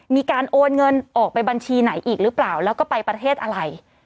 มีการโอนเงินออกไปบัญชีไหนอีกหรือเปล่าแล้วก็ไปประเทศอะไร